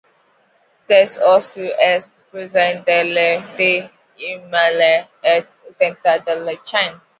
Cet oiseau est présent de l'ouest de l'Himalaya au centre de la Chine.